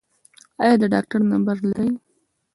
ایا د ډاکټر نمبر لرئ؟